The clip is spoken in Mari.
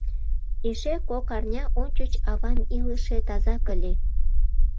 Эше кок арня ончыч авам илыше, тазак ыле.